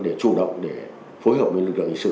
để chủ động để phối hợp với lực lượng hình sự